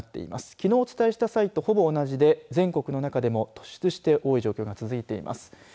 きのうお伝えした際とほぼ同じで全国の中でも突出して多い状況が続いています。